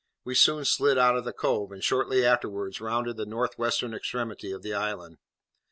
We soon slid out of the cove, and shortly afterwards rounded the north western extremity of the island.